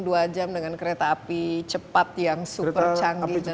dua jam dengan kereta api cepat yang super canggih